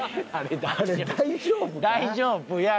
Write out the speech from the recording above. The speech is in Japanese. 大丈夫や！